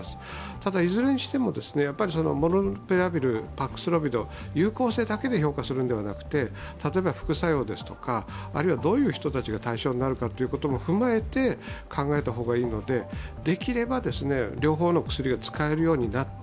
ただいずれにしても、モルヌピラビル、パクスロビド、有効性だけで評価するのではなくて、例えば副作用ですとかあるいはどういう人たちが対象になるかも踏まえた考えた方がいいので、できれば両方の薬が使えるようになって